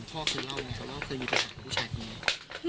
พ่อเคยเล่าอยู่ด้านผู้ชายที่ไหน